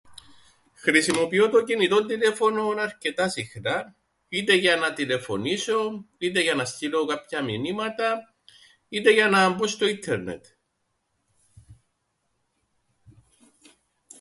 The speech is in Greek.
Χρησιμοποιώ το κινητόν τηλέφωνον αρκετά συχνά είτε για να τηλεφωνήσω είτε για να στείλω κάποια μηνύματα είτε για να μπω στο ίντερνετ.